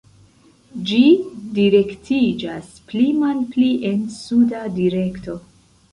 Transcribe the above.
Ĝi direktiĝas pli malpli en suda direkto.